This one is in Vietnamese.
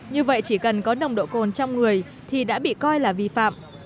như vậy chỉ cần có nồng độ cồn trong người thì đã bị coi là vi phạm